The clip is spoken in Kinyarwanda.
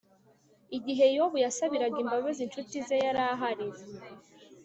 igihe yobu yasabiraga imbabazi incuti ze yarahari